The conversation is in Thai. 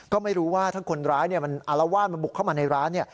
ก็ไม่รู้ว่าถ้าคนร้ายมันอารวาสมันบุกเข้ามาในร้านเนี่ย